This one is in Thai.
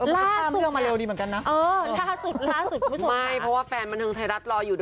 ล่าสุดค่ะเออล่าสุดคุณผู้ชมค่ะไม่เพราะว่าแฟนบันทึงไทยรัฐรออยู่